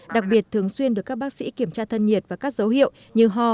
đặc biệt thường xuyên được các bác sĩ kiểm tra thân nhiệt và các dấu hiệu như ho